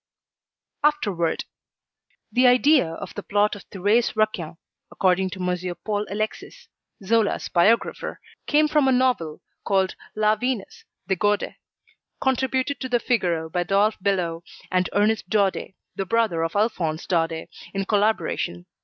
AFTERWORD The idea of the plot of "Thérèse Raquin," according to M. Paul Alexis, Zola's biographer, came from a novel called "La Venus de Gordes" contributed to the "Figaro" by Adolphe Belot and Ernest Daudet the brother of Alphonse Daudet in collaboration.